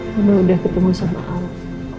karena udah ketemu sama allah